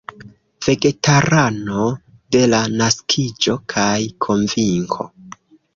Vegetarano de la naskiĝo kaj konvinko.